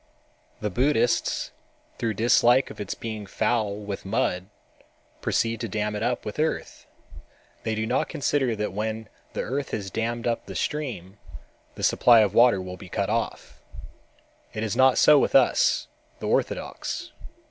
The Buddhists, through dislike of its being foul with mud, proceed to dam it up with earth. They do not consider that when the earth has dammed up the stream, the supply of water will be cut off. It is not so with us, the orthodox.